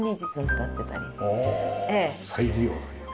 おお再利用というね。